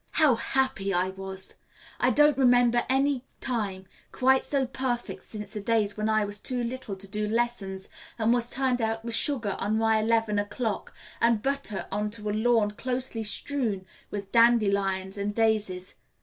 How happy I was! I don't remember any time quite so perfect since the days when I was too little to do lessons and was turned out with sugar on my eleven o'clock bread and butter on to a lawn closely strewn with dandelions and daisies.